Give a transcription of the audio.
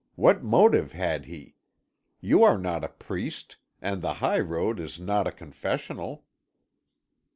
What motive had he? You are not a priest, and the high road is not a confessional."